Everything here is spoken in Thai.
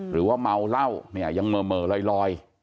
หรือว่าเมาเหล้าเนี่ยยังเหม่อลอย